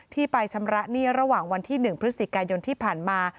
ไปชำระหนี้ระหว่างวันที่๑พฤศจิกายนที่ผ่านมา